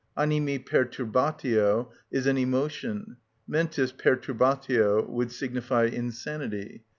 Animi perturbatio is an emotion; mentis perturbatio would signify insanity.